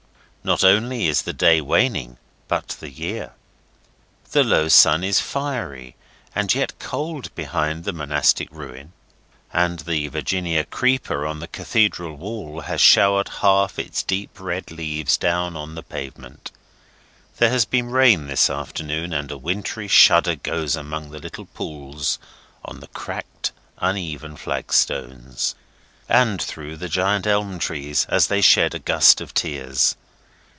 Not only is the day waning, but the year. The low sun is fiery and yet cold behind the monastery ruin, and the Virginia creeper on the Cathedral wall has showered half its deep red leaves down on the pavement. There has been rain this afternoon, and a wintry shudder goes among the little pools on the cracked, uneven flag stones, and through the giant elm trees as they shed a gust of tears.